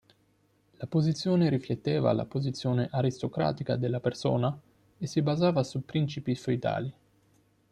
La posizione rifletteva la posizione aristocratica della persona, e si basava su principi feudali.